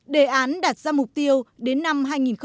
đề án đạt ra mục tiêu đến năm hai nghìn hai mươi năm